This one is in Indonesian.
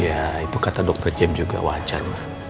ya itu kata dokter jam juga wajar